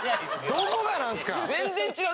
どこがなんすか？